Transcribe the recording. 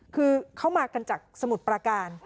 คือเขามากันจากสมุทรประการ